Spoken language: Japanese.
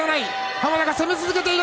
濱田が攻め続けている。